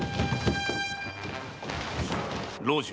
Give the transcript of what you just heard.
老中